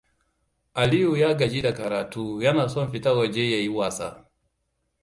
Aliyu ya gaji da karatu yana son fita waje ya yi wasa.